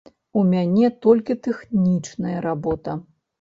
У мяне толькі тэхнічная работа.